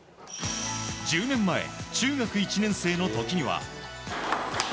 １０年前、中学１年生の時には。